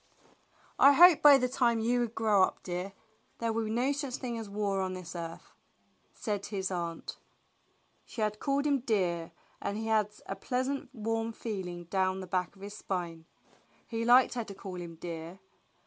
"I hope by the time you grow up, dear, there will be no such thing as war on this earth," said his aunt. She had called him "dear," and he had a pleasant warm feeling down the back of his spine. He liked THE BLUE AUNT COMES 18 her to call him "dear."